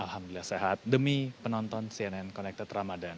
alhamdulillah sehat demi penonton cnn connected ramadan